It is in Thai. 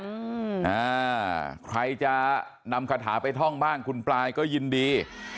อืมอ่าใครจะนำคาถาไปท่องบ้างคุณปลายก็ยินดี